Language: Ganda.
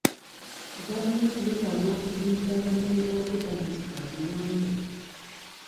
Gavumenti yetaaga okuzimbira abanoonyi b'obubudamu zi kaabuyonjo.